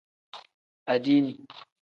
Adiini.